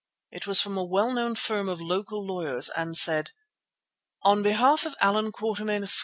It was from a well known firm of local lawyers and said: "On behalf of Allan Quatermain, Esq.